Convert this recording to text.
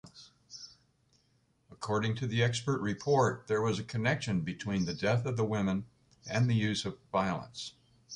According to the expert report, there was a connection between the death of the women and the use of violence.